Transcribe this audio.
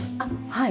はい。